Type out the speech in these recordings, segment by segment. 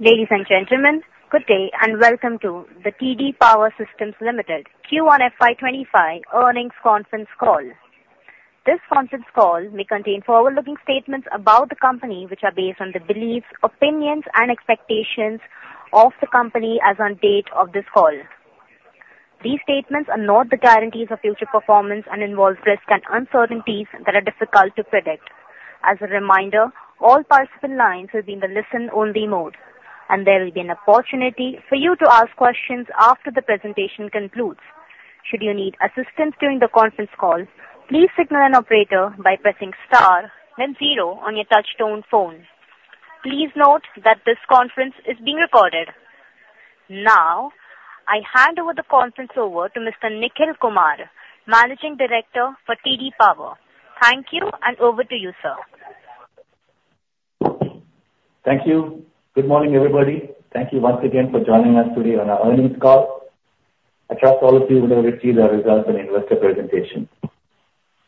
Ladies and gentlemen, good day and welcome to the TD Power Systems Limited Q1 FY 2025 earnings conference call. This conference call may contain forward-looking statements about the company, which are based on the beliefs, opinions, and expectations of the company as on date of this call. These statements are not the guarantees of future performance and involve risks and uncertainties that are difficult to predict. As a reminder, all participant lines will be in the listen-only mode, and there will be an opportunity for you to ask questions after the presentation concludes. Should you need assistance during the conference call, please signal an operator by pressing star then zero on your touch-tone phone. Please note that this conference is being recorded. Now, I hand over the conference over to Mr. Nikhil Kumar, Managing Director for TD Power. Thank you, and over to you, sir. Thank you. Good morning, everybody. Thank you once again for joining us today on our earnings call. I trust all of you would have received our results and investor presentation.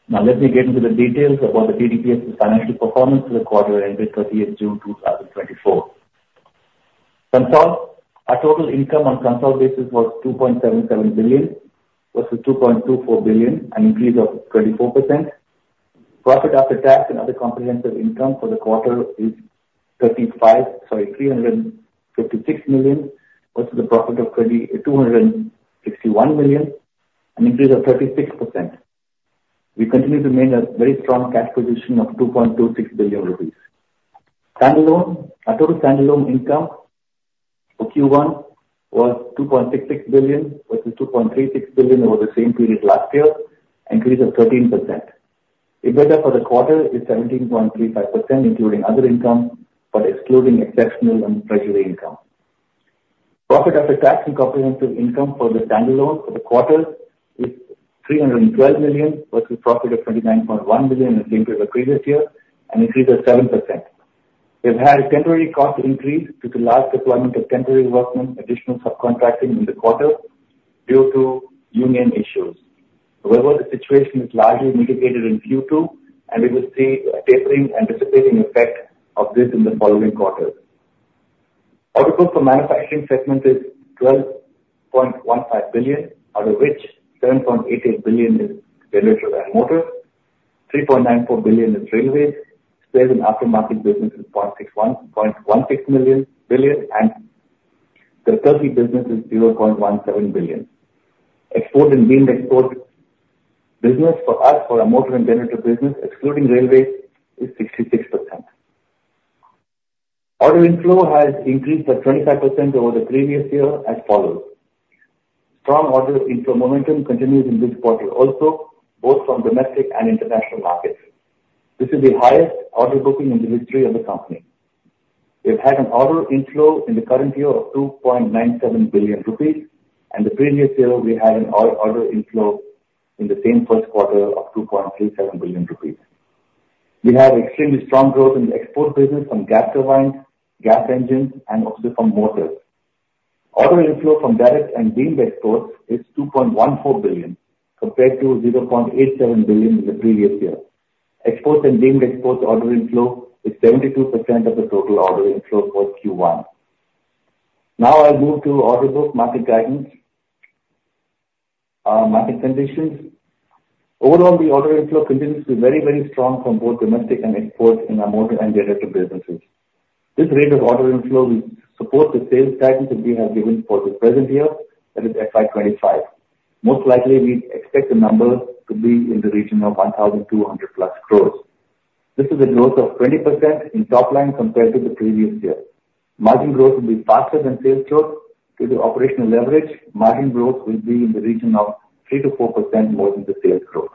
Now let me get into the details about the TDPS's financial performance for the quarter ended 30th June 2024. Our total income on consolidated basis was 2.77 billion versus 2.24 billion, an increase of 24%. Profit after tax and other comprehensive income for the quarter is 356 million versus a profit of 261 million, an increase of 36%. We continue to maintain a very strong cash position of 2.26 billion rupees. Standalone, our total standalone income for Q1 was 2.66 billion versus 2.36 billion over the same period last year, increase of 13%. EBITDA for the quarter is 17.35%, including other income, but excluding exceptional and treasury income. Profit after tax and comprehensive income for the standalone for the quarter is 312 million versus a profit of 29.1 million in the previous year, an increase of 7%. We've had a temporary cost increase due to large deployment of temporary workmen, additional subcontracting in the quarter due to union issues. The situation is largely mitigated in Q2, and we will see a tapering and dissipating effect of this in the following quarter. Order book for manufacturing segment is 12.15 billion, out of which 7.88 billion is generator and motor, 3.94 billion is railway, spares and aftermarket business is 0.16 billion, and the turnkey business is 0.17 billion. Export and deemed export business for us for our motor and generator business, excluding railways, is 66%. Order inflow has increased by 25% over the previous year as follows. Strong order inflow momentum continues in this quarter also, both from domestic and international markets. This is the highest order booking in the history of the company. We've had an order inflow in the current year of 2.97 billion rupees, and the previous year we had an order inflow in the same first quarter of 2.37 billion rupees. We have extremely strong growth in the export business from gas turbines, gas engines, and also from motors. Order inflow from direct and deemed exports is 2.14 billion compared to 0.87 billion in the previous year. Exports and deemed exports order inflow is 72% of the total order inflow for Q1. Now I move to order book market guidance. Our market conditions. Overall, the order inflow continues to be very strong from both domestic and exports in our motor and generator businesses. This rate of order inflow will support the sales guidance that we have given for the present year, that is FY 2025. Most likely, we expect the number to be in the region of 1,200 plus crore. This is a growth of 20% in top line compared to the previous year. Margin growth will be faster than sales growth due to operational leverage. Margin growth will be in the region of 3%-4% more than the sales growth.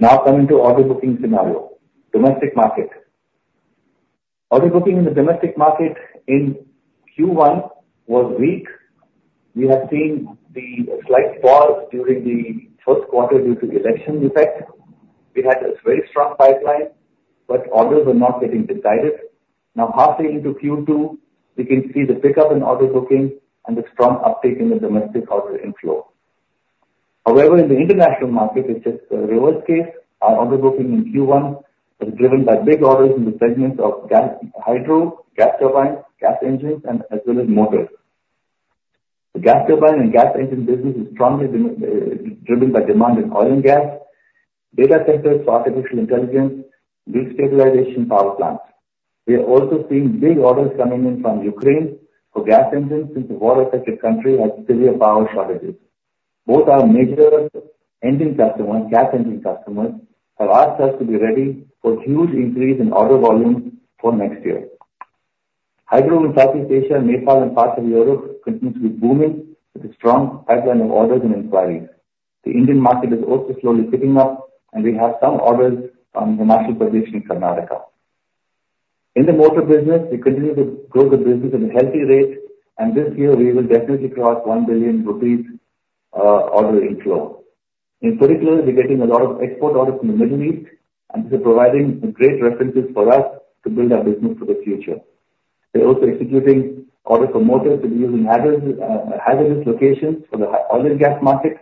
Coming to order booking scenario. Domestic market. Order booking in the domestic market in Q1 was weak. We have seen the slight pause during the first quarter due to the election effect. We had a very strong pipeline, but orders were not getting decided. Halfway into Q2, we can see the pickup in order booking and the strong uptake in the domestic order inflow. In the international market, it's just the reverse case. Our order booking in Q1 is driven by big orders in the segments of hydro, gas turbines, gas engines, and as well as motors. The gas turbine and gas engine business is strongly driven by demand in oil and gas, data centers for artificial intelligence, grid stabilization power plants. We are also seeing big orders coming in from Ukraine for gas engines since the war-affected country has severe power shortages. Both our major gas engine customers have asked us to be ready for huge increase in order volumes for next year. Hydro in Southeast Asia, Nepal, and parts of Europe continues to be booming with a strong pipeline of orders and inquiries. The Indian market is also slowly picking up, and we have some orders from the national project in Karnataka. In the motor business, we continue to grow the business at a healthy rate, and this year we will definitely cross 1 billion rupees, order inflow. In particular, we're getting a lot of export orders from the Middle East, and they're providing great references for us to build our business for the future. We're also executing orders for motors to be used in hazardous locations for the oil and gas market,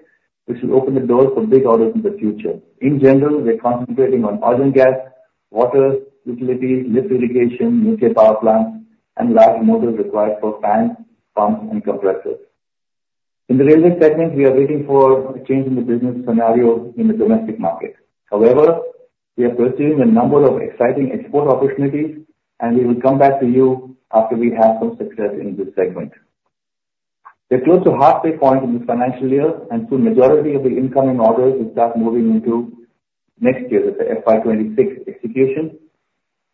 which will open the doors for big orders in the future. In general, we're concentrating on oil and gas, water, utilities, lift irrigation, nuclear power plants, and large motors required for fans, pumps, and compressors. In the railway segment, we are waiting for a change in the business scenario in the domestic market. However, we are pursuing a number of exciting export opportunities, and we will come back to you after we have some success in this segment. We're close to halfway point in this financial year, and so majority of the incoming orders will start moving into next year, that's the FY 2026 execution.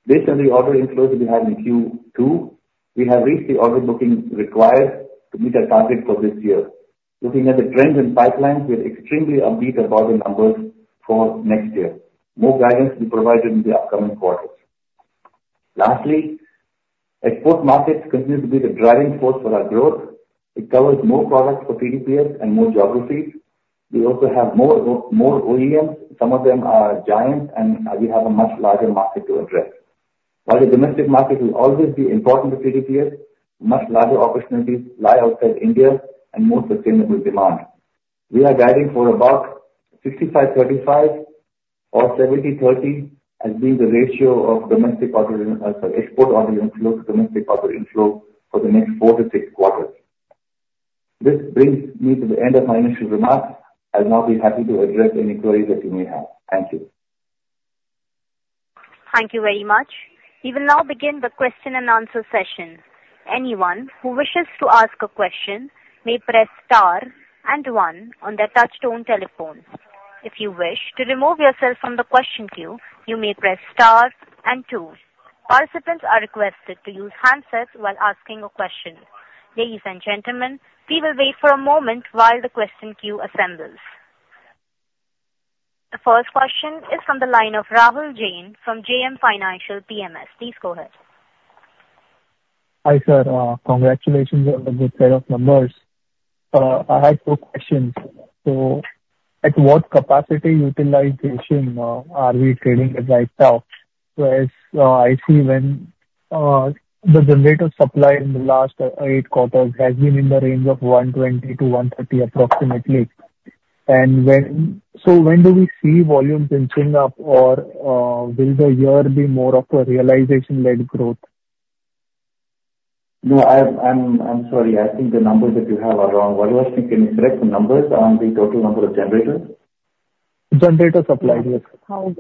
Based on the order inflows we had in Q2, we have reached the order booking required to meet our target for this year. Looking at the trends and pipelines, we are extremely upbeat about the numbers for next year. More guidance will be provided in the upcoming quarters. Export markets continue to be the driving force for our growth. It covers more products for TDPS and more geographies. We also have more OEMs. Some of them are giants, and we have a much larger market to address. The domestic market will always be important to TDPS, much larger opportunities lie outside India and more sustainable demand. We are guiding for about 65/35 or 70/30 as being the ratio of export order inflow to domestic order inflow for the next four to six quarters. This brings me to the end of my initial remarks. I'll now be happy to address any queries that you may have. Thank you. Thank you very much. We will now begin the question and answer session. Anyone who wishes to ask a question may press star and one on their touchtone telephone. If you wish to remove yourself from the question queue, you may press star and two. Participants are requested to use handsets while asking a question. Ladies and gentlemen, we will wait for a moment while the question queue assembles. The first question is from the line of Rahul Jain from JM Financial PMS. Please go ahead. Hi, sir. Congratulations on the good set of numbers. I had two questions. At what capacity utilization are we trading as right now? I see when the generator supply in the last eight quarters has been in the range of 120 to 130 approximately. When do we see volumes inching up? Will the year be more of a realization-led growth? No, I'm sorry. I think the numbers that you have are wrong. What was it? Can you correct the numbers on the total number of generators? Generator supply. Yes. How-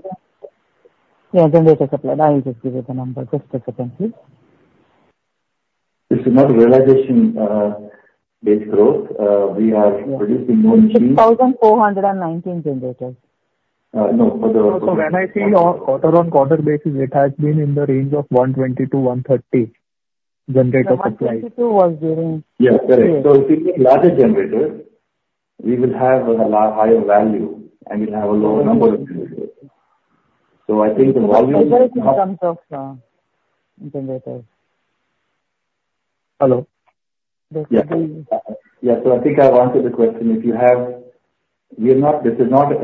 Yeah, generator supply. I will just give you the number. Just a second, please. This is not realization base growth. We are producing more machines. It's 1,419 generators. No, for the- When I see quarter-on-quarter basis, it has been in the range of 120 to 130 generator supply. 122 was during- Yeah, correct. If you take larger generators, we will have a lot higher value, and we'll have a lower number of generators. I think the volume- In terms of generators. Hello? Yeah. I think I've answered the question. This is not a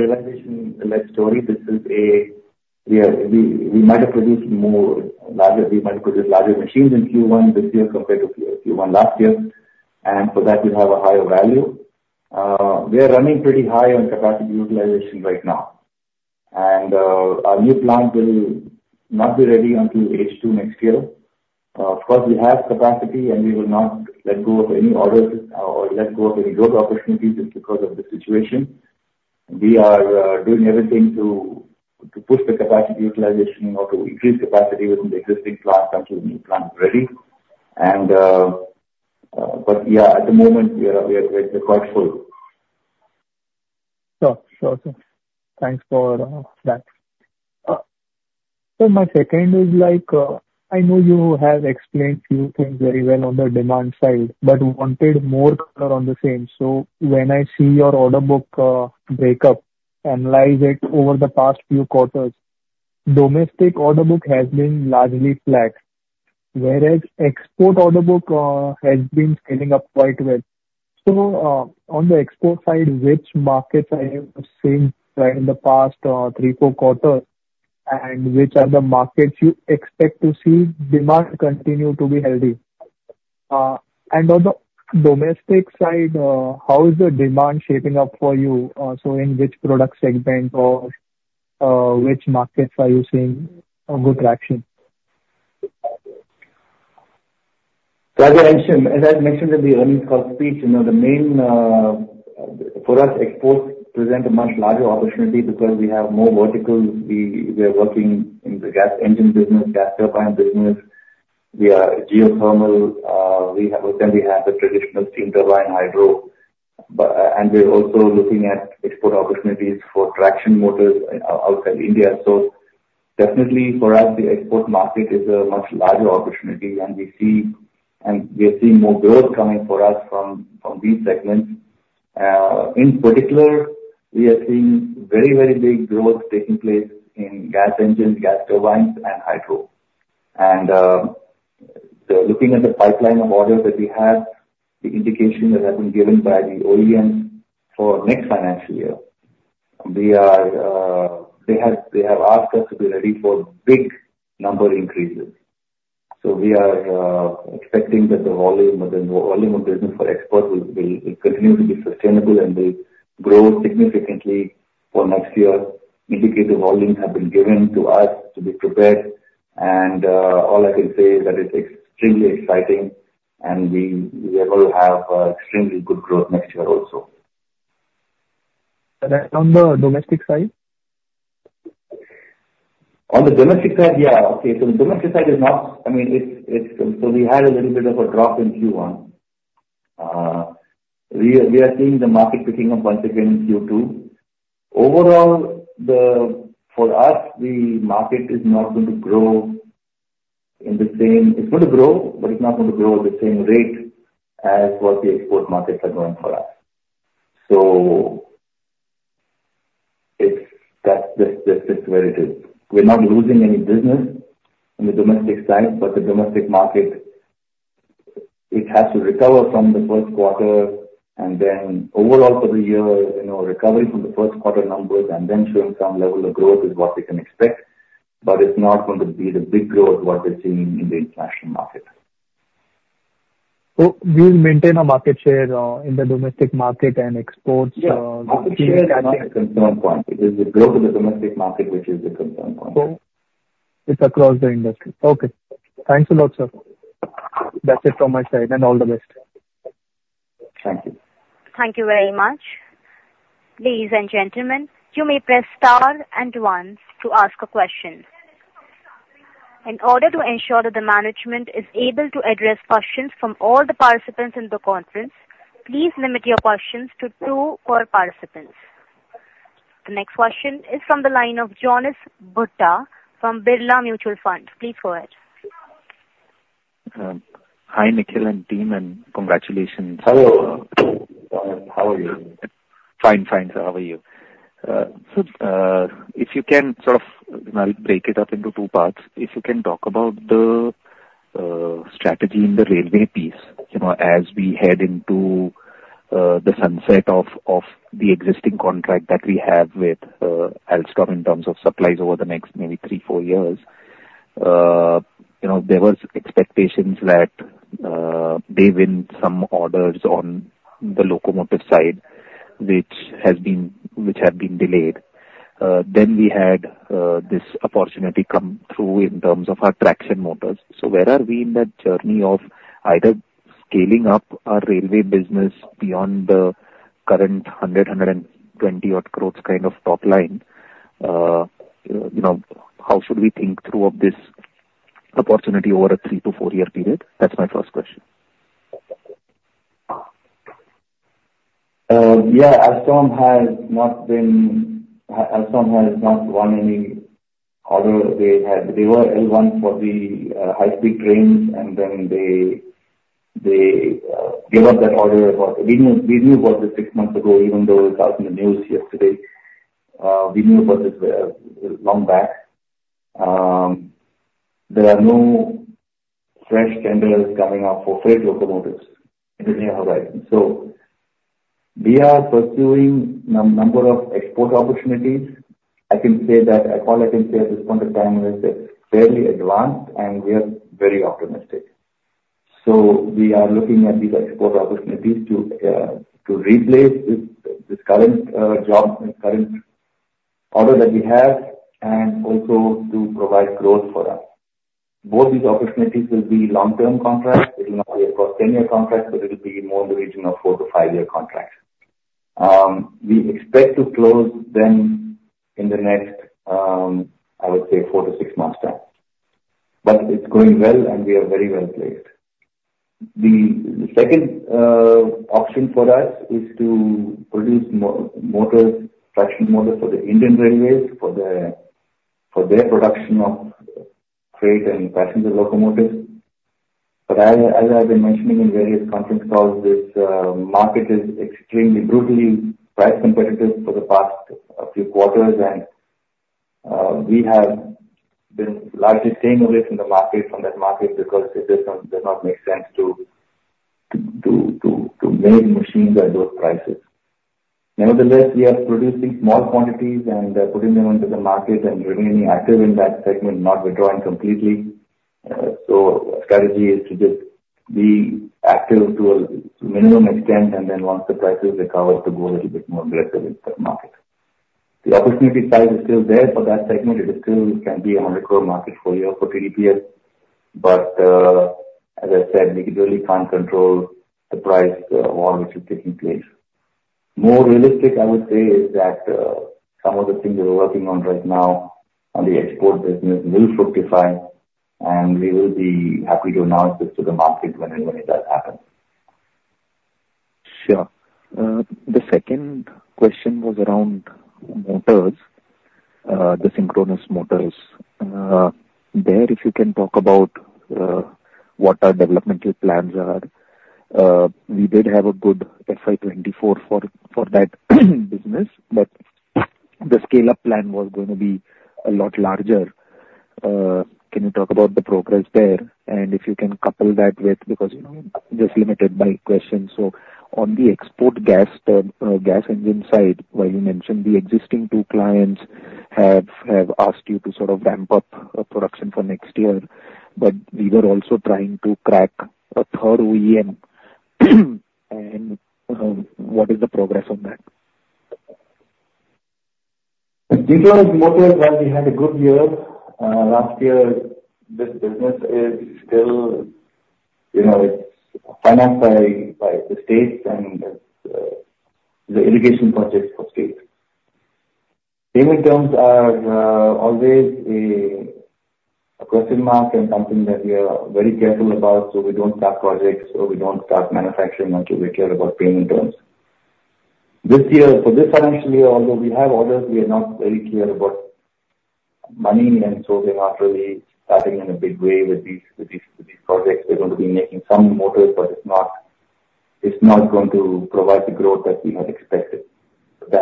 realization-led story. We might have produced larger machines in Q1 this year compared to Q1 last year, and for that we have a higher value. We are running pretty high on capacity utilization right now. Our new plant will not be ready until H2 next year. Of course, we have capacity, and we will not let go of any orders or let go of any growth opportunities just because of the situation. We are doing everything to push the capacity utilization or to increase capacity within the existing plant until the new plant is ready. Yeah, at the moment we are quite full. Sure, sir. Thanks for that. My second is, I know you have explained few things very well on the demand side, but wanted more color on the same. When I see your order book break up, analyze it over the past few quarters, domestic order book has been largely flat. Whereas export order book has been scaling up quite well. On the export side, which markets are you seeing in the past three, four quarters, and which are the markets you expect to see demand continue to be healthy? On the domestic side, how is the demand shaping up for you? In which product segment or which markets are you seeing a good traction? As I mentioned in the earnings call speech, for us, exports present a much larger opportunity because we have more verticals. We are working in the gas engine business, gas turbine business. We are geothermal. We have the traditional steam turbine hydro. We're also looking at export opportunities for traction motors outside India. Definitely for us, the export market is a much larger opportunity, and we are seeing more growth coming for us from these segments. In particular, we are seeing very big growth taking place in gas engines, gas turbines and hydro. Looking at the pipeline of orders that we have, the indication that has been given by the OEM for next financial year, they have asked us to be ready for big number increases. We are expecting that the volume of business for exports will continue to be sustainable and will grow significantly. For next year, indicative holdings have been given to us to be prepared, and all I can say is that it's extremely exciting, and we will have extremely good growth next year also. On the domestic side? On the domestic side. Okay. We had a little bit of a drop in Q1. We are seeing the market picking up once again in Q2. Overall, for us, the market is going to grow, but it's not going to grow at the same rate as what the export markets are growing for us. That's just where it is. We're not losing any business on the domestic side, but the domestic market, it has to recover from the first quarter, and then overall for the year, recovery from the first quarter numbers and then showing some level of growth is what we can expect. It's not going to be the big growth, what we're seeing in the international market. We'll maintain our market share in the domestic market and exports. Yeah. Market share is not the concern point. It is the growth of the domestic market, which is the concern point. It's across the industry. Okay. Thanks a lot, sir. That's it from my side, and all the best. Thank you. Thank you very much. Ladies and gentlemen, you may press star and one to ask a question. In order to ensure that the management is able to address questions from all the participants in the conference, please limit your questions to two per participant. The next question is from the line of Jonas Bhutta from Birla Mutual Fund. Please go ahead. Hi, Nikhil, and team. Congratulations. Hello. How are you? Fine, sir. How are you? If you can sort of break it up into two parts, if you can talk about the strategy in the railway piece. As we head into the sunset of the existing contract that we have with Alstom in terms of supplies over the next maybe three, four years. There was expectations that they win some orders on the locomotive side, which have been delayed. We had this opportunity come through in terms of our traction motors. Where are we in that journey of either scaling up our railway business beyond the current 100 crore-120 crore odd kind of top line? How should we think through of this opportunity over a three to four-year period? That's my first question. Yeah. Alstom has not won any order. They were L1 for the high-speed trains. They gave up that order. We knew about this 6 months ago, even though it was out in the news yesterday. We knew about this long back. There are no fresh tenders coming up for freight locomotives in the near horizon. We are pursuing number of export opportunities. All I can say at this point in time is they're fairly advanced, and we are very optimistic. We are looking at these export opportunities to replace this current order that we have and also to provide growth for us. Both these opportunities will be long-term contracts. They will not be across 10-year contracts, but it'll be more in the region of four to five-year contracts. We expect to close them in the next, I would say, four to 6 months time. It's going well, and we are very well placed. The second option for us is to produce traction motors for the Indian railways, for their production of freight and passenger locomotives. As I've been mentioning in various conference calls, this market is extremely brutally price competitive for the past few quarters, and we have been largely staying away from that market because it does not make sense to make machines at those prices. Nevertheless, we are producing small quantities and putting them onto the market and remaining active in that segment, not withdrawing completely. Strategy is to just be active to a minimum extent, and then once the prices recover, to go a little bit more aggressive in that market. The opportunity size is still there for that segment. It still can be 100 crore market for you for TDPS. As I said, we really can't control the price war which is taking place. More realistic, I would say, is that some of the things we're working on right now on the export business will fructify, and we will be happy to announce this to the market whenever that happens. Sure. The second question was around motors, the synchronous motors. There, if you can talk about what our developmental plans are. We did have a good FY 2024 for that business, but the scale-up plan was going to be a lot larger. Can you talk about the progress there? If you can couple that with, because I'm just limited by questions, on the export gas engine side, while you mentioned the existing two clients have asked you to sort of ramp up production for next year, we were also trying to crack a third OEM What is the progress on that? These are motors where we had a good year. Last year, this business is still financed by the states and the irrigation projects for state. Payment terms are always a question mark and something that we are very careful about. We don't start projects, or we don't start manufacturing until we're clear about payment terms. For this financial year, although we have orders, we are not very clear about money. We're not really starting in a big way with these projects. We're going to be making some motors, but it's not going to provide the growth that we had expected.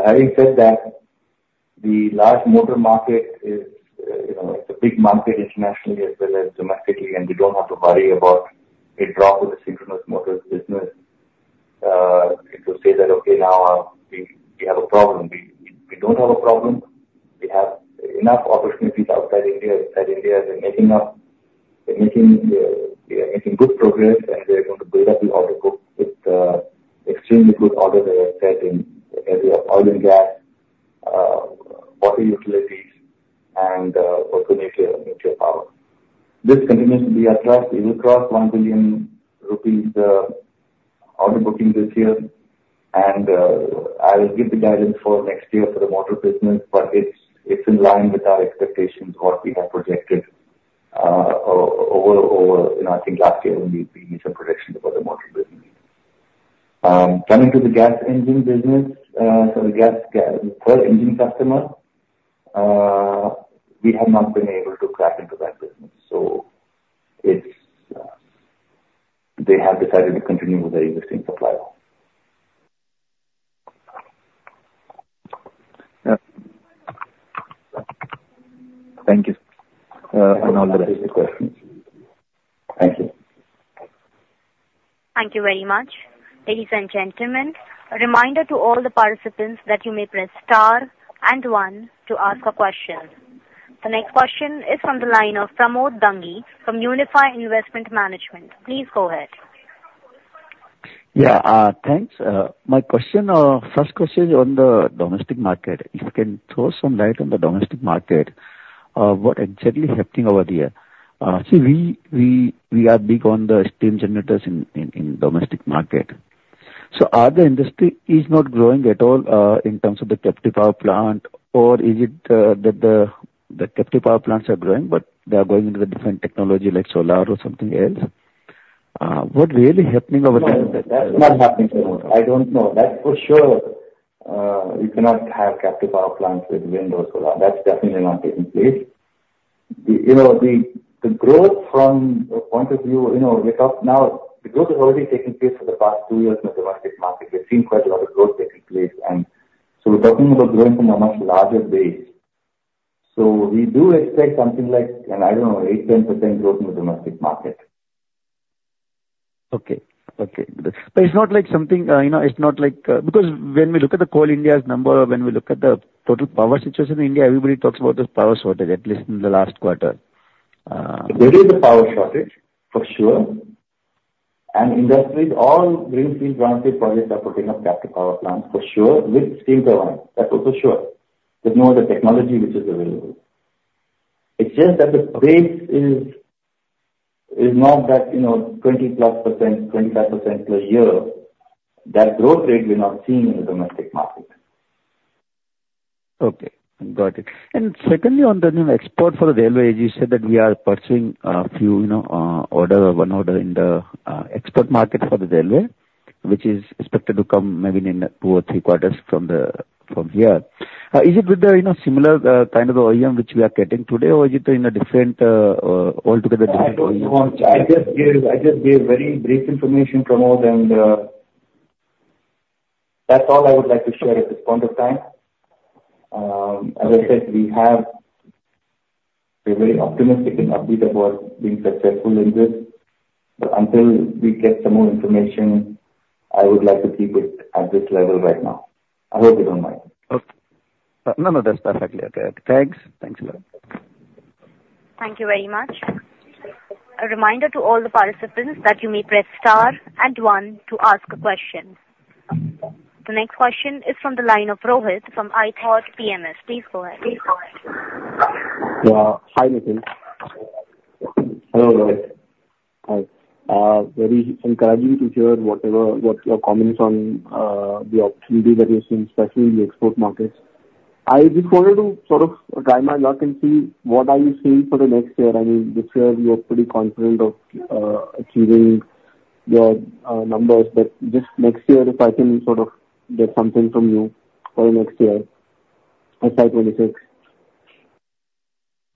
Having said that, the large motor market is a big market internationally as well as domestically, and we don't have to worry about a drop in the synchronous motors business to say that, okay, now we have a problem. We don't have a problem. We have enough opportunities outside India. Inside India, we're making good progress. We are going to build up the order book with the extremely good orders that are set in the area of oil and gas, water utilities, and also nuclear power. This continues to be attract. We will cross 1 billion rupees order booking this year. I'll give the guidance for next year for the motor business, but it's in line with our expectations, what we have projected over, I think, last year when we made some projections about the motor business. Coming to the gas engine business. The gas coal engine customer, we have not been able to crack into that business. They have decided to continue with their existing supplier. Yeah. Thank you. All the rest of the questions. Thank you. Thank you very much. Ladies and gentlemen, a reminder to all the participants that you may press star and one to ask a question. The next question is from the line of Pramod Bangi from Unifi Investment Management. Please go ahead. Yeah. Thanks. My first question is on the domestic market. If you can throw some light on the domestic market, what exactly happening over there? See, we are big on the steam generators in domestic market. Are the industry is not growing at all, in terms of the captive power plant, or is it that the captive power plants are growing, but they are going into the different technology like solar or something else? What really happening over there? No, that's not happening, Pramod. I don't know. That for sure, you cannot have captive power plants with wind or solar. That's definitely not taking place. The growth from a point of view because now the growth has already taken place for the past two years in the domestic market. We've seen quite a lot of growth taking place, we're talking about growing from a much larger base. We do expect something like, I don't know, eight, 10% growth in the domestic market. Okay. When we look at the Coal India's number, when we look at the total power situation in India, everybody talks about this power shortage, at least in the last quarter. There is a power shortage, for sure. Industries, all greenfield, brownfield projects are putting up captive power plants for sure, with steam turbines. That's also sure. There's no other technology which is available. It's just that the pace is not that 20%-plus, 25% per year. That growth rate we're not seeing in the domestic market. Okay. Got it. Secondly, on the export for the railway, as you said that we are pursuing a few order or one order in the export market for the railway, which is expected to come maybe in two or three quarters from here. Is it with the similar kind of OEM which we are getting today or is it in a different altogether different OEM? I just gave very brief information, Pramod, that's all I would like to share at this point of time. As I said, we're very optimistic and upbeat about being successful in this. Until we get some more information, I would like to keep it at this level right now. I hope you don't mind. Okay. No, that's perfectly okay. Thanks a lot. Thank you very much. A reminder to all the participants that you may press star and one to ask a question. The next question is from the line of Rohit from ithought PMS. Please go ahead. Yeah. Hi, Nikhil. Hello, Rohit. Hi. Very encouraging to hear what your comments on the opportunity that you're seeing, especially in the export markets. I just wanted to sort of try my luck and see what are you seeing for the next year. I mean, this year you're pretty confident of achieving your numbers, just next year, if I can sort of get something from you for next year, FY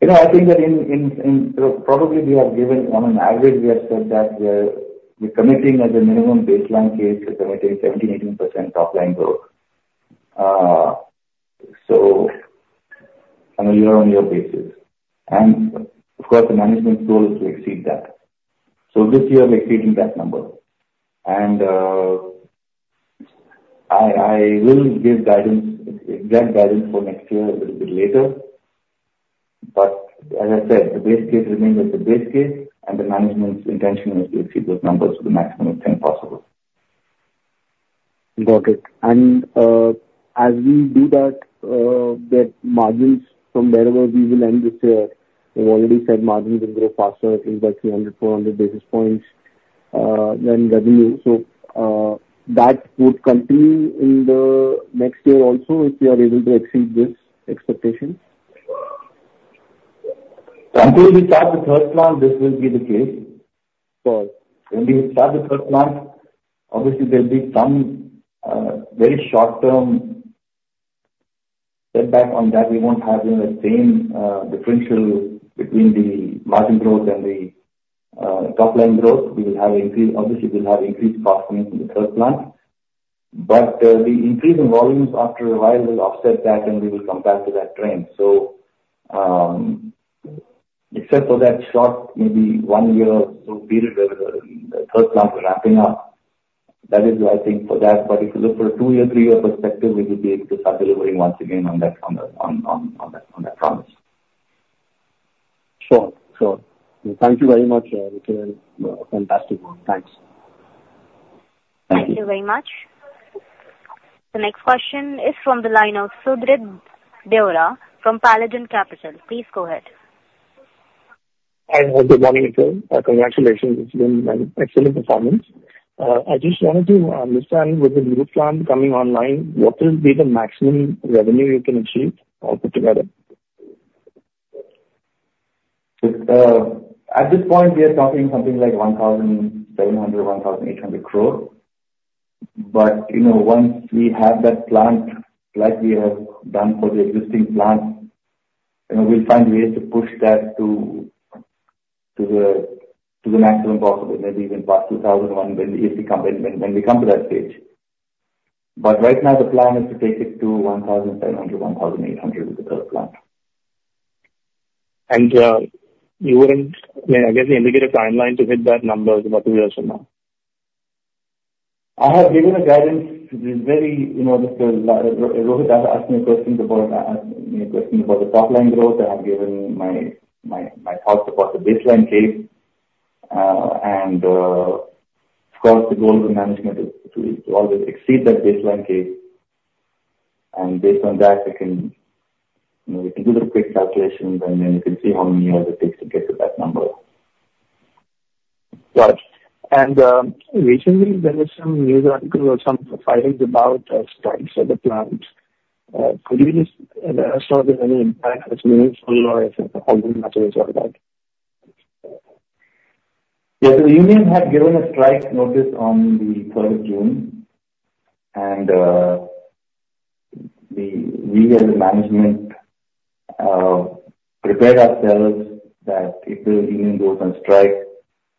2026. I think that probably we have given on an average, we have said that we're committing as a minimum baseline case, we're committing 17%-18% top-line growth. On a year-on-year basis. Of course, the management goal is to exceed that. This year we're exceeding that number. I will give exact guidance for next year a little bit later. As I said, the base case remains as the base case and the management's intention is to exceed those numbers to the maximum extent possible. Got it. As we do that, the margins from wherever we will end this year, you've already said margins will grow faster, in by 300, 400 basis points than revenue. That would continue in the next year also if we are able to exceed this expectation. Until we start the third plant, this will be the case. Sure. When we start the third plant, obviously there will be some very short-term setback on that. We won't have the same differential between the margin growth and the top line growth. Obviously, we'll have increased cost coming from the third plant. The increase in volumes after a while will offset that and we will come back to that trend. Except for that short, maybe one year or so period, where the third plant is ramping up. That is what I think for that. If you look for a two-year, three-year perspective, we will be able to start delivering once again on that promise. Sure. Thank you very much. It's been fantastic. Thanks. Thank you. Thank you very much. The next question is from the line of Sudrid Deora from Paladin Capital. Please go ahead. Hi. Good morning, everyone. Congratulations. It's been an excellent performance. I just wanted to understand with the third plant coming online, what will be the maximum revenue you can achieve all put together? At this point, we are talking something like 1,700 crore-1,800 crore. Once we have that plant like we have done for the existing plant, we'll find ways to push that to the maximum possible, maybe even past 2,001 when we come to that stage. Right now the plan is to take it to 1,700-1,800 with the third plant. You wouldn't, I guess, can you give a timeline to hit that number? Is it about two years from now? I have given a guidance. Rohit asked me a question about the top line growth. I have given my thoughts about the baseline case. Of course, the goal of the management is to always exceed that baseline case. Based on that, if you do the quick calculations, then you can see how many years it takes to get to that number. Got it. Recently there is some news article or some filings about strikes at the plant. Could you just let us know if there's any impact as meaningful or if it's a whole new matter you've heard about? The union had given a strike notice on the 3rd of June. We as the management prepared ourselves that if the union goes on strike,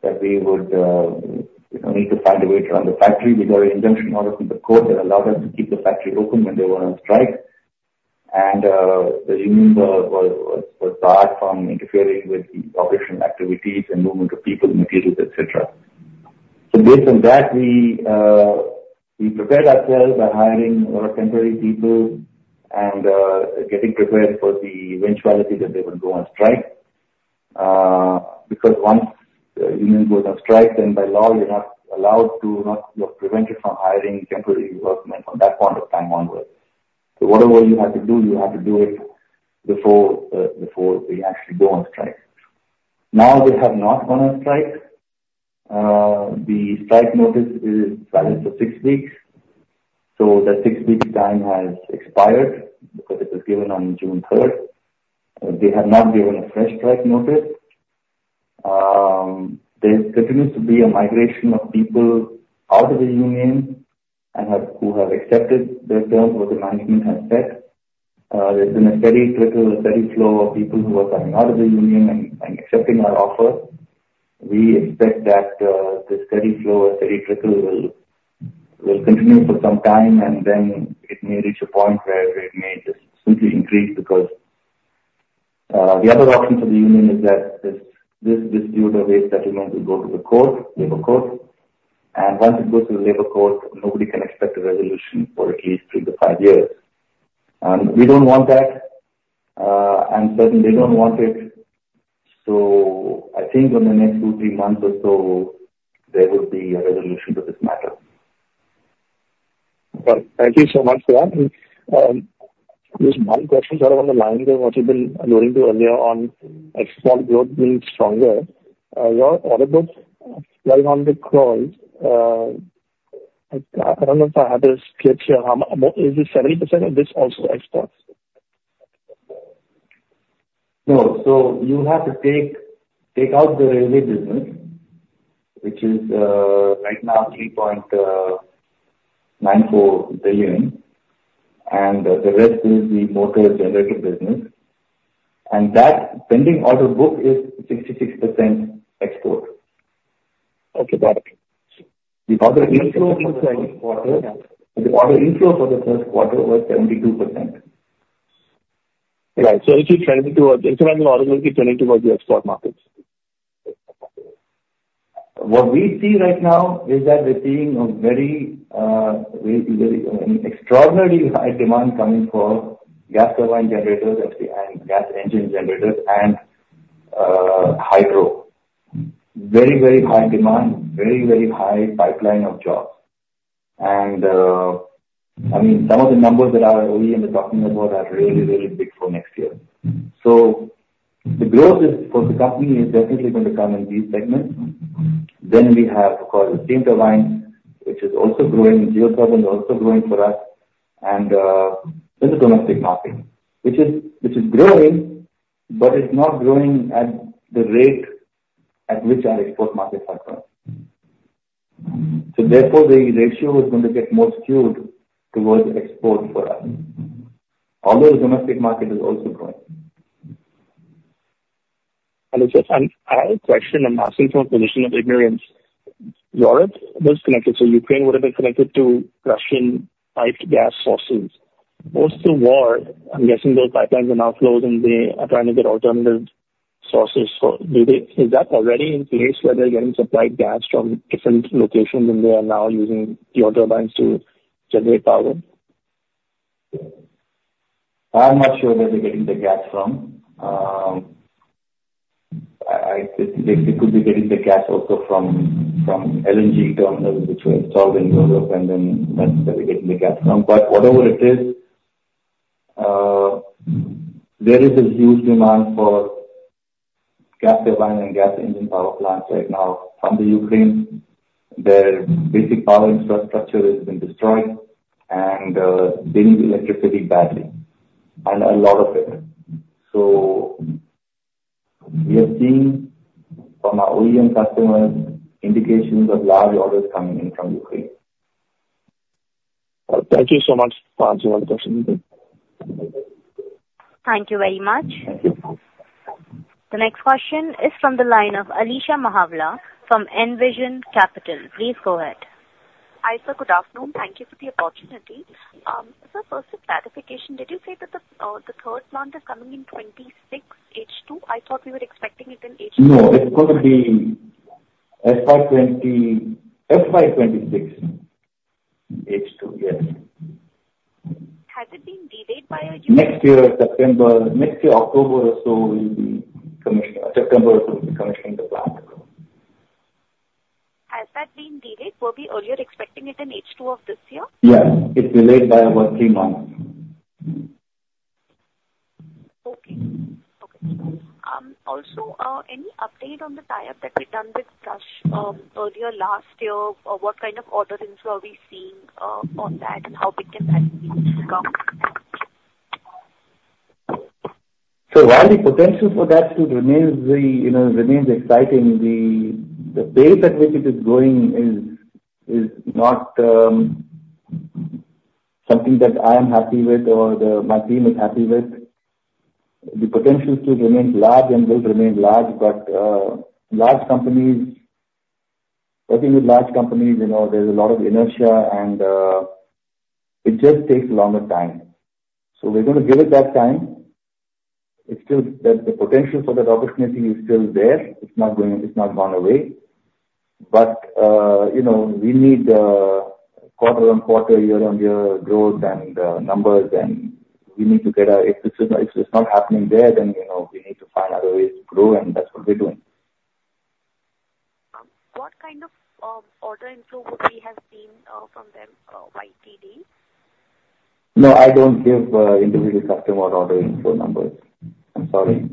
that we would need to find a way to run the factory. We got an injunction order from the court that allowed us to keep the factory open when they were on strike. The union was barred from interfering with the operation activities and movement of people, materials, et cetera. Based on that, we prepared ourselves by hiring a lot of temporary people and getting prepared for the eventuality that they would go on strike. Once the union goes on strike, then by law you're prevented from hiring temporary workmen from that point of time onwards. Whatever you have to do, you have to do it before they actually go on strike. Now they have not gone on strike. The strike notice is valid for 6 weeks. That 6-week time has expired because it was given on June 3rd. They have now given a fresh strike notice. There continues to be a migration of people out of the union who have accepted the terms what the management has set. There's been a steady trickle, a steady flow of people who are coming out of the union and accepting our offer. We expect that this steady flow or steady trickle will continue for some time, and then it may reach a point where it may just simply increase because the other option for the union is that this dispute or this settlement will go to the labor court. Once it goes to the labor court, nobody can expect a resolution for at least three to five years. We don't want that. Certainly they don't want it. I think in the next two, three months or so, there will be a resolution to this matter. Got it. Thank you so much for that. Just one question sort of on the lines of what you've been alluding to earlier on export growth being stronger. Your order book, INR 500 crore. I don't know if I have the splits here. Is it 70% of this also exports? No. You have to take out the railway business, which is right now 3.94 billion. The rest is the motor generator business. That pending order book is 66% export. Okay. Got it. The order inflow for the first quarter was 72%. Right. Incoming orders will be trending towards the export markets. What we see right now is that we're seeing a very, extraordinarily high demand coming for gas turbine generators and gas engine generators and hydro. Very high demand, very high pipeline of jobs. Some of the numbers that our OEM is talking about are really big for next year. The growth for the company is definitely going to come in these segments. We have, of course, the steam turbines, which is also growing. Geothermal is also growing for us. The domestic market, which is growing, but it's not growing at the rate at which our export markets are growing. Therefore, the ratio is going to get more skewed towards export for us. Although the domestic market is also growing. I have a question. I'm asking from a position of ignorance. Europe was connected, so Ukraine would have been connected to Russian piped gas sources. Post the war, I'm guessing those pipelines are now closed, and they are trying to get alternative sources. Is that already in place, where they're getting supplied gas from different locations, and they are now using your turbines to generate power? I'm not sure where they're getting the gas from. They could be getting the gas also from LNG terminals which were installed in Europe, and then that's where they're getting the gas from. Whatever it is, there is a huge demand for gas turbine and gas engine power plants right now from the Ukraine. Their basic power infrastructure has been destroyed, and they need electricity badly, and a lot of it. We are seeing from our OEM customers indications of large orders coming in from Ukraine. Thank you so much for answering my question. Thank you very much. Thank you. The next question is from the line of Alisha Mahavala from Envision Capital. Please go ahead. Hi, sir. Good afternoon. Thank you for the opportunity. Sir, first a clarification. Did you say that the third plant is coming in 2026 H2? I thought we were expecting it in H1. No, it's going to be FY26 H2. Yes. Has it been delayed by a year? Next year, October or so we'll be commissioning the plant. Has that been delayed? Were we earlier expecting it in H2 of this year? Yes. It's delayed by about three months. Okay. Also, any update on the tie-up that we done with Dresser-Rand earlier last year? What kind of order inflow are we seeing on that, and how big can that be in the future? While the potential for that to remains exciting, the pace at which it is growing is not something that I am happy with or my team is happy with. The potential still remains large and will remain large. Working with large companies, there's a lot of inertia, and it just takes a longer time. We're going to give it that time. The potential for that opportunity is still there. It's not gone away. We need quarter on quarter, year on year growth and numbers, and if it's not happening there, then we need to find other ways to grow, and that's what we're doing. What kind of order inflow would we have seen from them YTD? No, I don't give individual customer order inflow numbers. I'm sorry.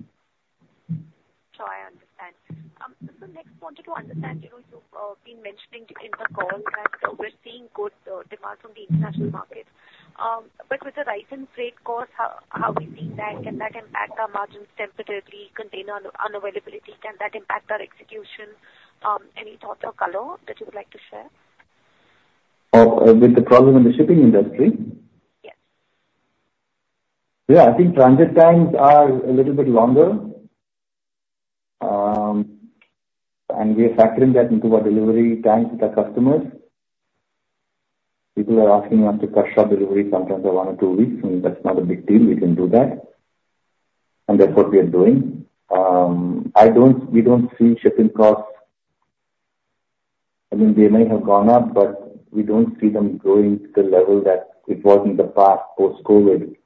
Sure. I understand. Sir, next, wanted to understand, you've been mentioning in the call that we're seeing good demand from the international markets. With the rise in freight cost, how are we seeing that? Can that impact our margins temporarily, container unavailability, can that impact our execution? Any thoughts or color that you would like to share? With the problem in the shipping industry? Yes. Yeah. I think transit times are a little bit longer. We are factoring that into our delivery times with our customers. People are asking us to push up delivery sometimes by one or two weeks, and that's not a big deal. We can do that. That's what we are doing. We don't see shipping costs. They may have gone up, but we don't see them growing to the level that it was in the past post-COVID.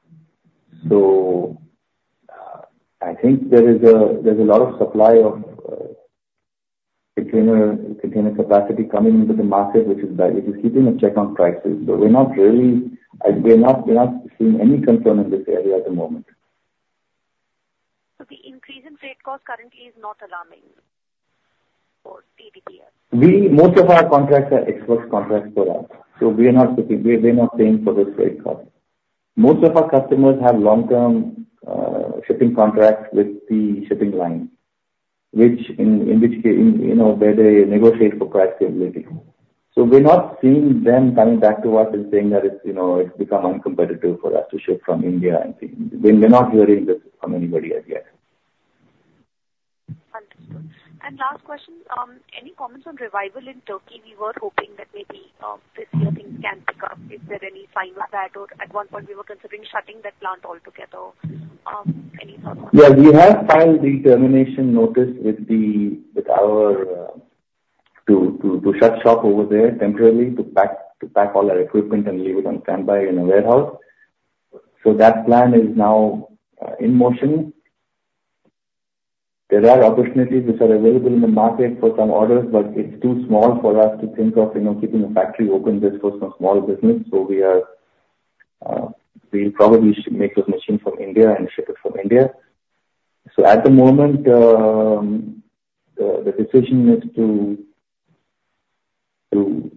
I think there's a lot of supply of container capacity coming into the market, which is keeping a check on prices. We're not seeing any concern in this area at the moment. The increase in freight cost currently is not alarming for TDPS then? Most of our contracts are export contracts for us. We're not paying for this freight cost. Most of our customers have long-term shipping contracts with the shipping line, where they negotiate for price stability. We're not seeing them coming back to us and saying that it's become uncompetitive for us to ship from India and things. We're not hearing this from anybody as yet. Understood. Last question. Any comments on revival in Turkey? We were hoping that maybe this year things can pick up. Is there any sign of that? At one point, we were considering shutting that plant altogether. Any thoughts on that? Yeah. We have filed the termination notice to shut shop over there temporarily, to pack all our equipment and leave it on standby in a warehouse. That plan is now in motion. There are opportunities which are available in the market for some orders, but it's too small for us to think of keeping a factory open just for some small business. We probably should make those machines from India and ship it from India. At the moment, the decision is to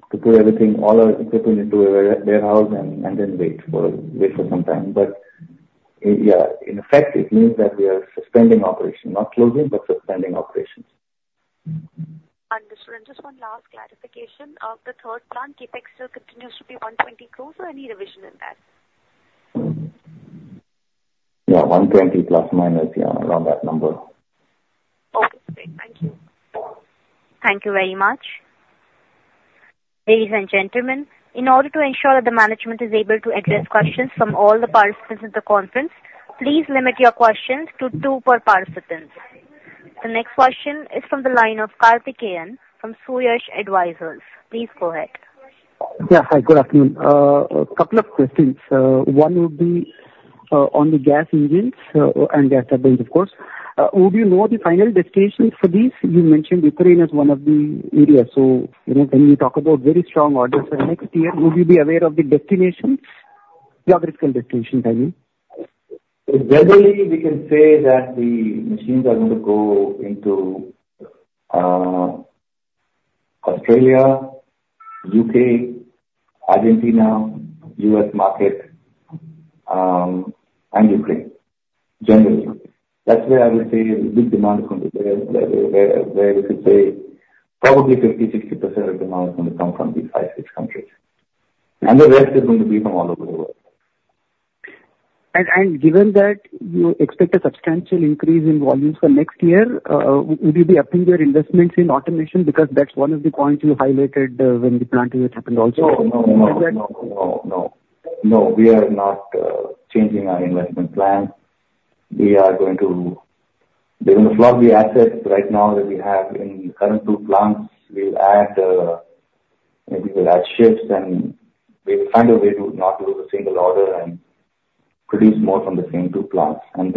put everything, all our equipment, into a warehouse and then wait for some time. Yeah, in effect, it means that we are suspending operations. Not closing, but suspending operations. Understood. Just one last clarification. Of the third plant, CapEx still continues to be 120 close or any revision in that? Yeah, 120 plus, minus, yeah, around that number. Okay, great. Thank you. Thank you very much. Ladies and gentlemen, in order to ensure that the management is able to address questions from all the participants in the conference, please limit your questions to two per participant. The next question is from the line of Kartikeyan from Suyash Advisors. Please go ahead. Hi. Good afternoon. A couple of questions. One would be on the gas engines and gas turbines, of course. Would you know the final destinations for these? You mentioned Ukraine as one of the areas. When you talk about very strong orders for next year, would you be aware of the destinations? Geographical destinations, I mean. Generally, we can say that the machines are going to go into Australia, U.K., Argentina, U.S. market, and Ukraine. Generally. That's where I would say the big demand is going to be, where we could say probably 50%-60% of demand is going to come from these five, six countries. The rest is going to be from all over the world. Given that you expect a substantial increase in volumes for next year, would you be upping your investments in automation? Because that's one of the points you highlighted when the plant visit happened also. No. We are not changing our investment plan. We're going to plug the assets right now that we have in current two plants. Maybe we'll add shifts, we will find a way to not lose a single order and produce more from the same two plants. Once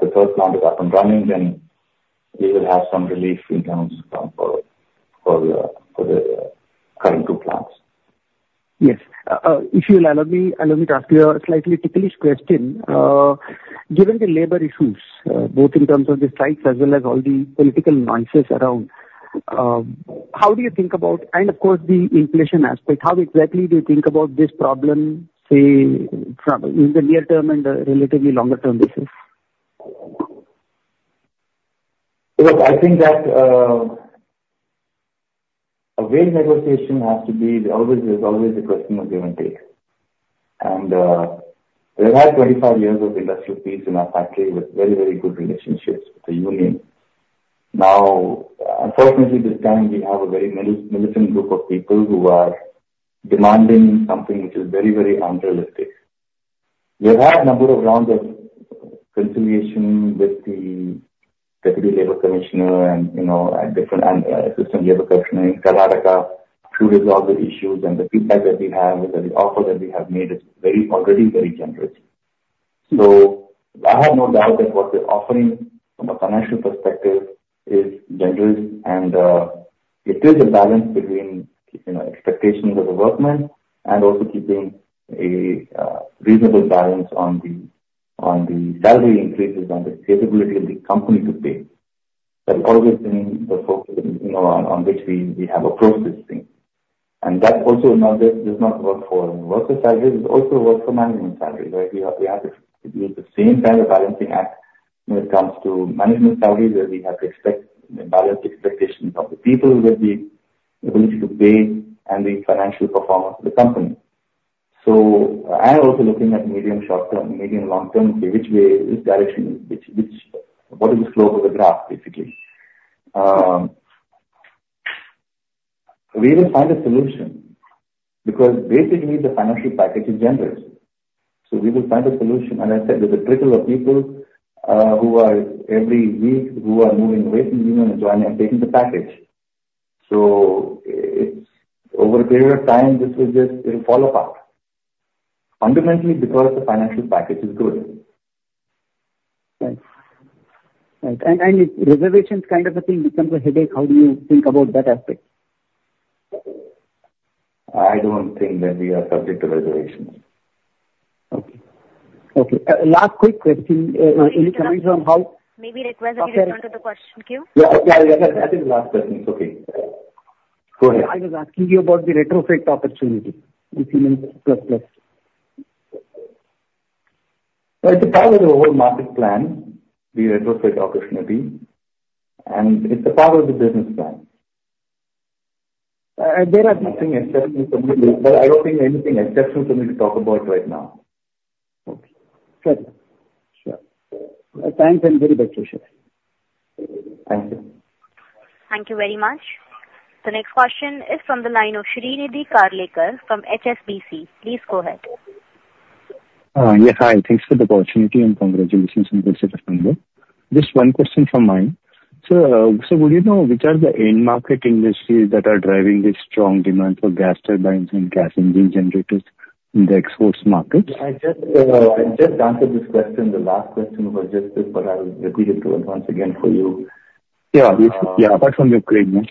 the third plant is up and running, then we will have some relief in terms of for the current two plants. Yes. If you'll allow me to ask you a slightly ticklish question. Given the labor issues, both in terms of the strikes as well as all the political noises around, how do you think about, and of course, the inflation aspect, how exactly do you think about this problem, say, from in the near term and relatively longer term basis? Look, I think that a wage negotiation has to be, there's always a question of give and take. We've had 25 years of industrial peace in our factory with very, very good relationships with the union. Unfortunately, this time we have a very militant group of people who are demanding something which is very, very unrealistic. We've had a number of rounds of conciliation with the Deputy Labor Commissioner and Assistant Labor Commissioner in Karnataka to resolve the issues. The feedback that we have is that the offer that we have made is already very generous. I have no doubt that what we're offering from a financial perspective is generous and it is a balance between expectations of the workmen and also keeping a reasonable balance on the salary increases and the capability of the company to pay. That's always been the focus on which we have approached this thing. That also does not work for worker salaries, it also works for management salaries. We have to do the same kind of balancing act when it comes to management salaries, where we have to balance the expectations of the people with the ability to pay and the financial performance of the company. Also looking at medium long term, say which way, which direction, what is the slope of the graph, basically. We will find a solution, because basically the financial package is generous. We will find a solution. I said, there's a trickle of people, every week, who are moving away from the union and joining and taking the package. Over a period of time, this will just fall apart. Fundamentally because the financial package is good. Right. If reservations kind of a thing becomes a headache, how do you think about that aspect? I don't think that we are subject to reservations. Okay. Last quick question. Any comments on how- Maybe request you to turn to the question queue. Yeah. I think last question is okay. Go ahead. I was asking you about the retrofit opportunity with Siemens. It's a part of the whole market plan, the retrofit opportunity, and it's a part of the business plan. There are nothing exceptional for me to talk about right now. Okay. Sure. Thanks and very best wishes. Thank you. Thank you very much. The next question is from the line of Shrinidhi Karlekar from HSBC. Please go ahead. Yeah. Hi. Thanks for the opportunity and congratulations on the quarter results. Just one question from mine. Sir, would you know which are the end market industries that are driving this strong demand for gas turbines and gas engine generators in the export markets? I just answered this question, the last question was just this, but I'll repeat it once again for you. Yeah, apart from Ukraine.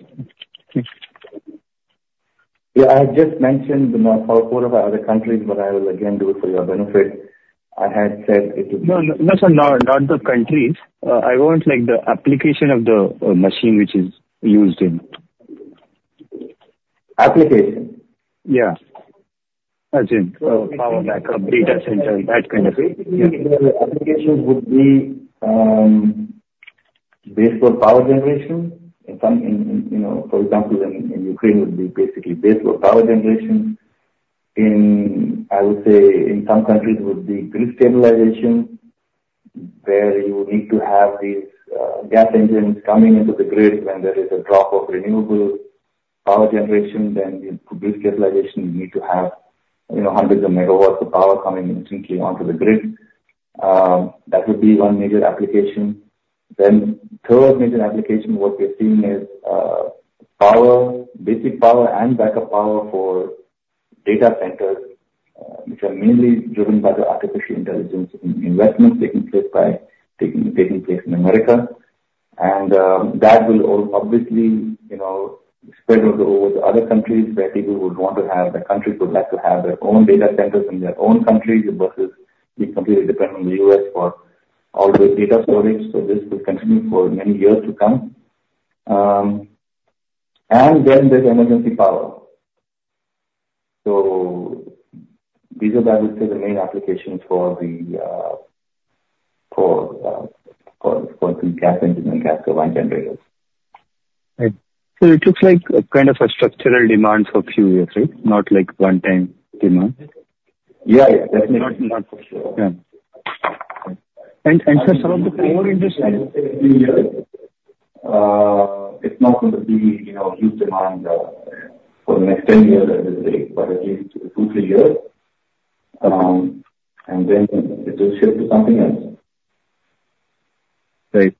Yeah, I just mentioned four of our other countries, but I will again do it for your benefit. I had said. No, sir. Not the countries. I want the application of the machine which is used in. Application? Yeah. As in power backup, data center, that kind of thing. Basically, the applications would be base load power generation. For example, in Ukraine would be basically base load power generation. I would say, in some countries it would be grid stabilization, where you would need to have these gas engines coming into the grid when there is a drop of renewable power generation. For grid stabilization, you need to have hundreds of megawatts of power coming instantly onto the grid. That would be one major application. Then, third major application what we're seeing is basic power and backup power for data centers, which are mainly driven by the artificial intelligence investments taking place in America. That will obviously spread over to other countries, where people would want to have, the countries would like to have their own data centers in their own countries versus being completely dependent on the U.S. for all the data storage. This will continue for many years to come. There's emergency power. These are, I would say, the main applications for the gas engine and gas turbine generators. Right. It looks like a kind of a structural demand for few years, right? Not like one time demand. Yeah. That's not for sure. Yeah. Sir, some of the core industries- It's not going to be a huge demand for the next 10 years, I would say, but at least two, three years. Then it will shift to something else. Right.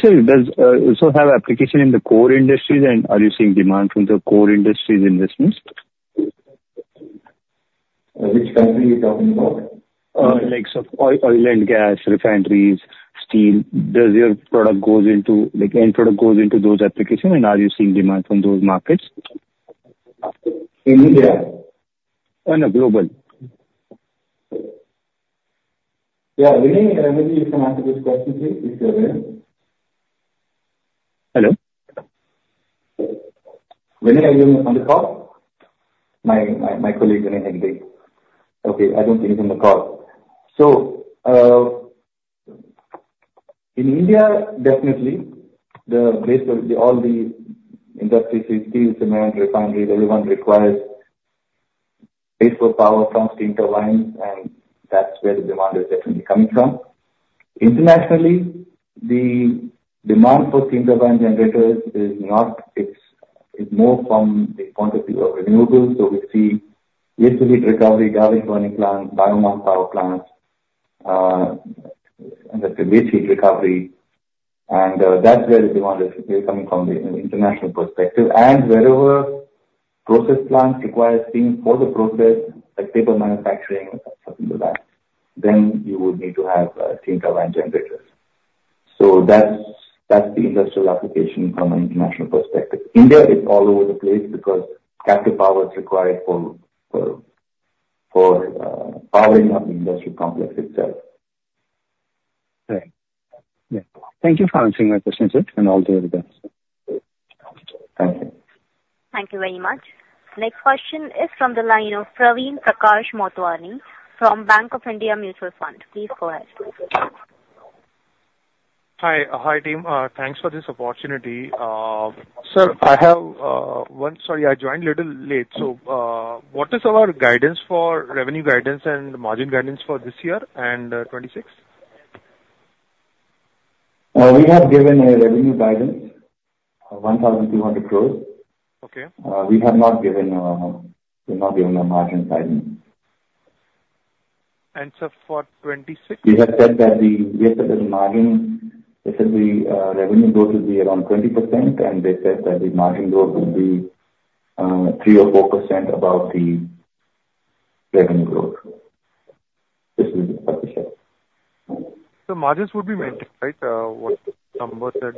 Sir, does it also have application in the core industries, and are you seeing demand from the core industries' investments? Which country are you talking about? Like, oil and gas refineries, steel. Does your end product go into those applications, and are you seeing demand from those markets? In India? No, global. Yeah. Vinay, maybe you can answer this question, please. If you are there. Hello. Vinay, are you on the call? My colleague, Vinay Hegde. I don't think he's on the call. In India, definitely, all the industries, steel, cement refineries, everyone requires base load power from steam turbines, and that's where the demand is definitely coming from. Internationally, the demand for steam turbine generators is more from the point of view of renewables. We see waste heat recovery, garbage burning plant, biomass power plants, and the waste heat recovery. That's where the demand is basically coming from the international perspective. Wherever process plants require steam for the process, like paper manufacturing and stuff like that, you would need to have steam turbine generators. That's the industrial application from an international perspective. India is all over the place because captive power is required for powering up the industrial complex itself. Right. Yeah. Thank you for answering my questions, sir. All the very best. Thank you. Thank you very much. Next question is from the line of Praveen Prakash Motwani from Bank of India Mutual Fund. Please go ahead. Hi, team. Thanks for this opportunity. Sir, sorry I joined a little late. What is our revenue guidance and margin guidance for this year and 2026? We have given a revenue guidance of 1,200 crores. Okay. We have not given a margin guidance. Sir, for 2026? We have said that the revenue growth will be around 20%. We said that the margin growth will be 3 or 4% above the revenue growth. This is what we said. Margins would be maintained, right? What Sambhav said.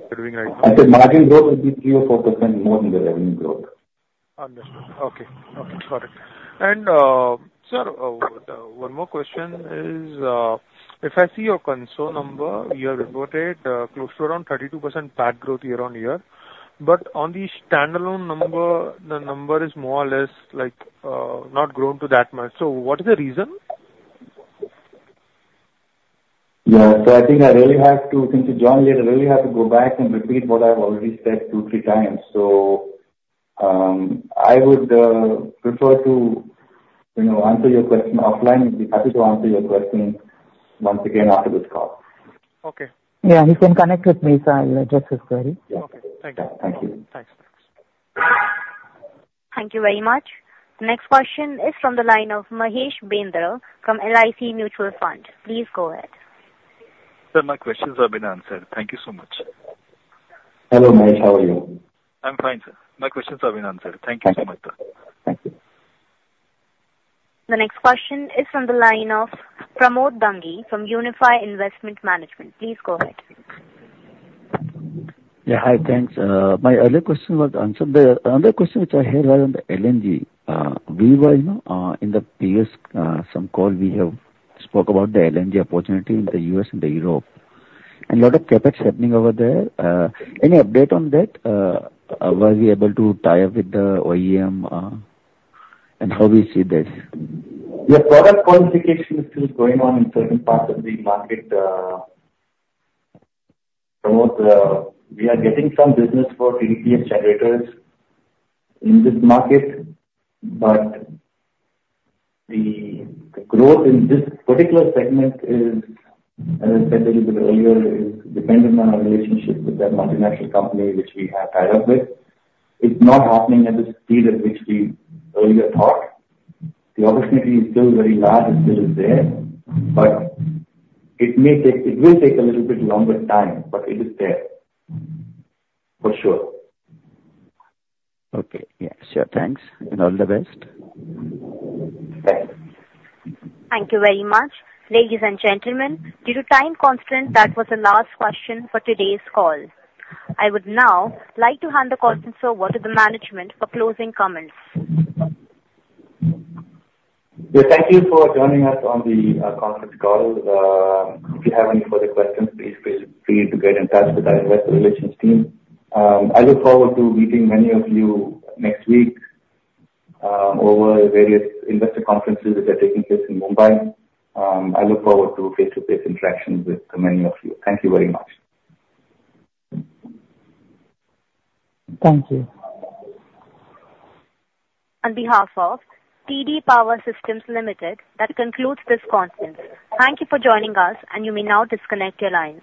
I said margin growth will be 3% or 4% more than the revenue growth. Understood. Okay. Got it. Sir, one more question is, if I see your console number, you have reported close to around 32% PAT growth year-on-year. On the standalone number, the number is more or less not grown to that much. What is the reason? Yeah. I think since you joined late, I really have to go back and repeat what I've already said two, three times. I would prefer to answer your question offline. I'd be happy to answer your question once again after this call. Okay. Yeah, he can connect with me, so I'll address his query. Okay. Thank you. Thank you. Thanks. Thank you very much. The next question is from the line of Mahesh Bindra from LIC Mutual Fund. Please go ahead. Sir, my questions have been answered. Thank you so much. Hello, Mahesh. How are you? I'm fine, sir. My questions have been answered. Thank you so much, sir. Thank you. The next question is from the line of Pramod Bangi from Unifi Investment Management. Please go ahead. Yeah, hi. Thanks. My earlier question was answered. The other question which I had was on the LNG. We were in the previous some call, we have spoke about the LNG opportunity in the U.S. and the Europe, and lot of CapEx happening over there. Any update on that? Were you able to tie up with the OEM, and how we see this? The product qualification is still going on in certain parts of the market, Pramod. We are getting some business for TDPS generators in this market. The growth in this particular segment is, as I said a little bit earlier, is dependent on our relationship with that multinational company which we have tied up with. It's not happening at the speed at which we earlier thought. The opportunity is still very large, it still is there. It will take a little bit longer time, it is there for sure. Okay. Yes. Sure, thanks. All the best. Thanks. Thank you very much. Ladies and gentlemen, due to time constraint, that was the last question for today's call. I would now like to hand the conference over to the management for closing comments. Yeah. Thank you for joining us on the conference call. If you have any further questions, please feel free to get in touch with our investor relations team. I look forward to meeting many of you next week, over various investor conferences which are taking place in Mumbai. I look forward to face-to-face interactions with many of you. Thank you very much. Thank you. On behalf of TD Power Systems Limited, that concludes this conference. Thank you for joining us, and you may now disconnect your lines.